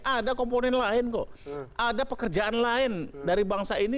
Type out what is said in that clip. ada komponen lain kok ada pekerjaan lain dari bangsa ini